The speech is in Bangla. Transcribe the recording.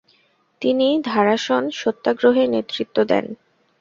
তিনি ধারাসন সত্যাগ্রহে নেতৃত্ব দেন।